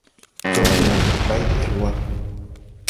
Jɔŋge wããre bay de-ɛl wà.